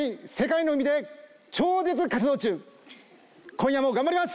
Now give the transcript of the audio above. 今夜も頑張ります。